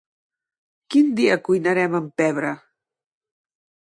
Quin dia cuinarem amb pebre?